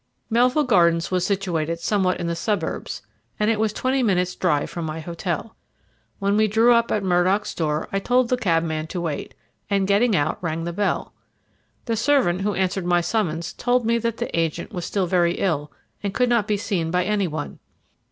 Melville Gardens was situated somewhat in the suburbs, and it was twenty minutes' drive from my hotel. When we drew up at Murdock's door I told the cabman to wait, and, getting out, rang the bell. The servant who answered my summons told me that the agent was still very ill and could not be seen by any one.